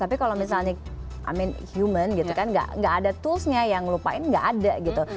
tapi kalau misalnya i mean human gitu kan gak ada tools nya yang lupain gak ada gitu